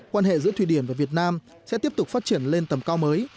quan hệ giữa thụy điển và việt nam sẽ tiếp tục phát triển lên tầm cao mới